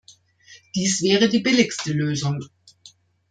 Dies wäre die billigste Lösung.